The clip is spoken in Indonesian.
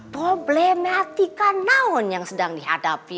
problematika namun yang sedang dihadapi